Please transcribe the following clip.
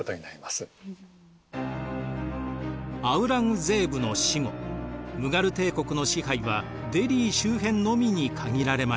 アウラングゼーブの死後ムガル帝国の支配はデリー周辺のみに限られました。